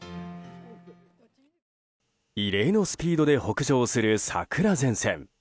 異例のスピードで北上する桜前線。